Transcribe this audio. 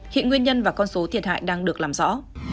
hiện nguyên nhân và con số thiệt hại đang được làm rõ